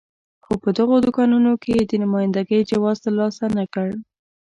خو په دغو دوکانونو کې یې د نماینده ګۍ جواز ترلاسه نه کړ.